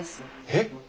えっ！